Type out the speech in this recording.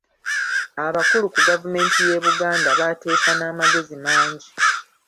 Abakulu ku Gavumenti y'e Buganda baateesa n'amagezi mangi.